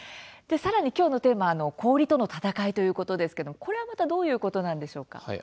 さらにきょうのテーマは氷との闘いということですがこれはどういうことなんでしょうか。